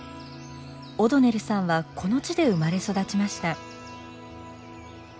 オドネルさんはこの地で生まれ育ちました。